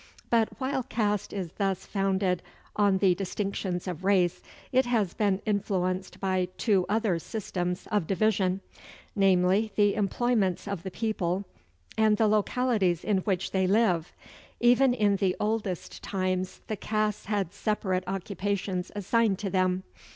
But while caste is thus founded on the distinctions of race, it has been influenced by two other systems of division, namely, the employments of the people, and the localities in which they live. Even in the oldest times, the castes had separate occupations assigned to them.